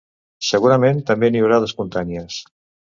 Segurament també n’hi haurà d’espontànies.